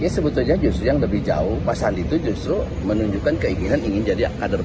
sebetulnya justru yang lebih jauh pak sandi itu justru menunjukkan keinginan ingin jadi kader